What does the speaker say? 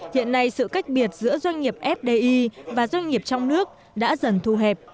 hiện nay sự cách biệt giữa doanh nghiệp fdi và doanh nghiệp trong nước đã dần thu hẹp